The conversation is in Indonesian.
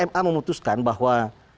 ma memutuskan bahwa